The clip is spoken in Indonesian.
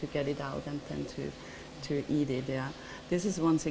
ini adalah hal yang sangat istimewa di sini